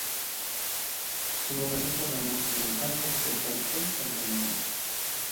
Su vocación por la música y el canto despertó tempranamente.